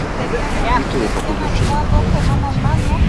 І тое пакуль яшчэ не на поўную моц.